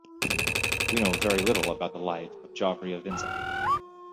We know very little about the life of Geoffrey of Vinsauf.